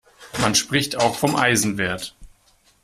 Man spricht auch vom Eisenwert.